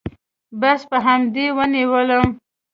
بس په همدې يې ونيولم.